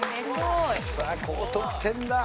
さあ高得点だ。